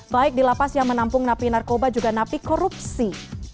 baik di lapas yang menampung napi narkoba juga napi korupsi